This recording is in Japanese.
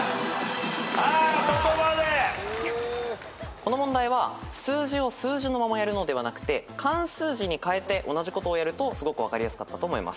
この問題は数字を数字のままやるのではなくて漢数字にかえて同じことをやるとすごく分かりやすかったと思います。